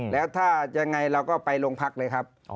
แล้วถ้ายังไงเราก็ไปโรงพักเลยครับ